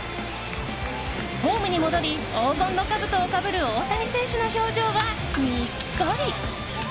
ホームに戻り黄金のかぶとをかぶる大谷選手の表情は、にっこり。